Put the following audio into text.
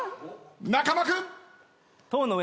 中間君。